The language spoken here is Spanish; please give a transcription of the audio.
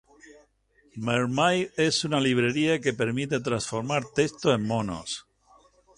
Mermaid es una librería que permite transformar texto en “monos”.